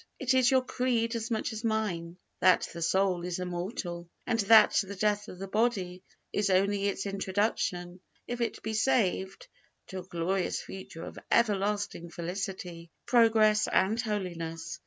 It is your creed as much as mine, that the soul is immortal, and that the death of the body is only its introduction, if it be saved, to a glorious future of everlasting felicity, progress, and holiness.